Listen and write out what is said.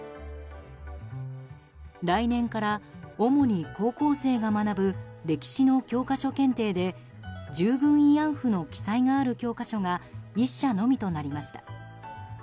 来年から主に高校生が学ぶ歴史の教科書検定で従軍慰安婦の記載がある教科書が１社のみとなりました。